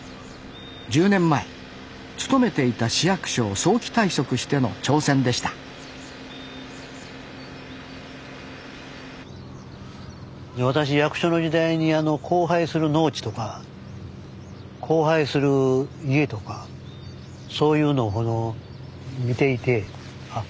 １０年前勤めていた市役所を早期退職しての挑戦でした私役所の時代に荒廃する農地とか荒廃する家とかそういうのを見ていてあっ